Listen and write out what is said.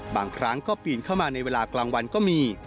บางครั้งก็ปีนเข้ามาในเวลากลางวันก็มี